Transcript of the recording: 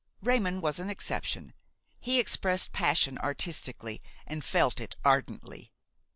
Raymon was an exception; he expressed passion artistically and felt it ardently.